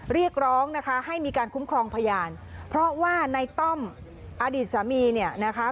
เรียกร้องนะคะให้มีการคุ้มครองพยานเพราะว่าในต้อมอดีตสามีเนี่ยนะคะ